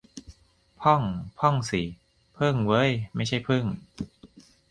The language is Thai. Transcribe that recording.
พ่อง - พ่องสิ เพิ่งเว้ย ไม่ใช่พึ่ง